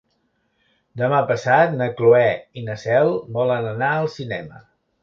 Demà passat na Cloè i na Cel volen anar al cinema.